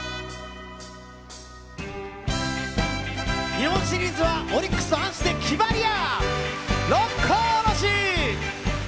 日本シリーズはオリックスと阪神で決まりや！